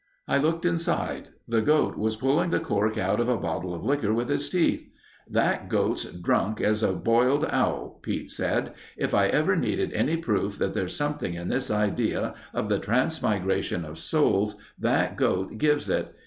"I looked inside. The goat was pulling the cork out of a bottle of liquor with his teeth. "'That goat's drunk as a boiled owl,' Pete said. 'If I ever needed any proof that there's something in this idea of the transmigration of souls, that goat gives it.